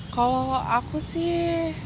kalau aku sih